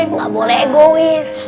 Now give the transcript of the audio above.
nggak boleh egois